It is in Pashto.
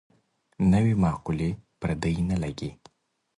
نوې مقولې پردۍ نه لګي.